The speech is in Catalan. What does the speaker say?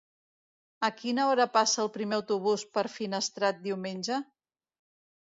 A quina hora passa el primer autobús per Finestrat diumenge?